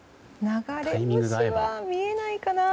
流れ星は見えないかな。